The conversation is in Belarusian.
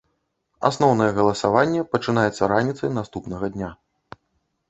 Асноўнае галасаванне пачынаецца раніцай наступнага дня.